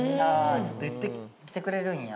ちょっと言ってきてくれるんや。